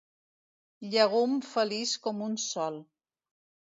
Llegum feliç com un sol.